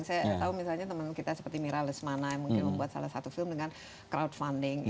saya tahu misalnya teman kita seperti mira lesmana yang mungkin membuat salah satu film dengan crowdfunding